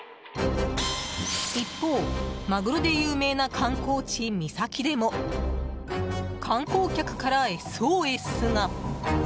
一方、マグロで有名な観光地三崎でも観光客からＳＯＳが。